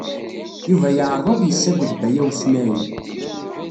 Yuba yeɛreḍ ad isagged Baya U Smaɛil.